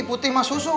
putih mah susu